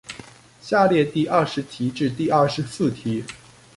下列第二十題至第二十四題